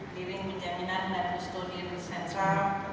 piring penjaminan dan kustodil sentral